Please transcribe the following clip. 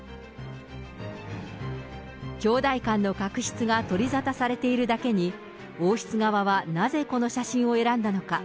兄弟間の確執が取り沙汰されているだけに、王室側はなぜこの写真を選んだのか。